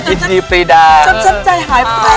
จำใจหายแปลก